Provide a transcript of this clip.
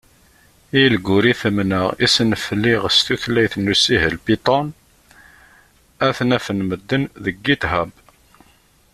Ilguritmen-a i snefliɣ s tutlayt n usihel Python, ad ten-afen medden deg Github.